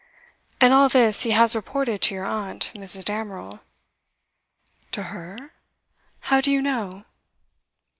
And all this he has reported to your aunt, Mrs. Damerel.' 'To her? How do you know?